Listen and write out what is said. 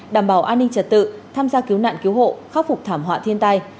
đảm bảo an ninh trật tự tham gia cứu nạn cứu hộ khắc phục thảm họa thiên tai